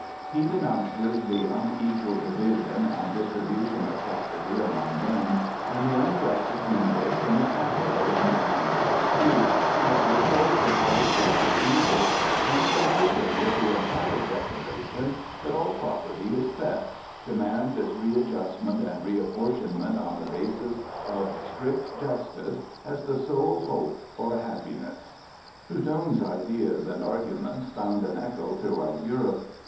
He denounces the unequal division and distribution of property among men and the unjust accumulation of capital in the hands of the few as the source of all social evils, and, concluding with the emphatic declaration that all property is theft, demands its readjustment and re apportionment on a basis of strict justice as the sole hope for happiness. Proudhon's ideas and arguments found an echo throughout Europe.